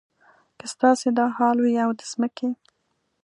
که ستاسې دا حال وي او د ځمکې.